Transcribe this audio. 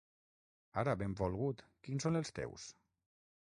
Ara, benvolgut, quins són els teus?